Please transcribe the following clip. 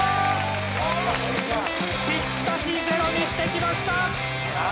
ピッタシゼロにしてきました！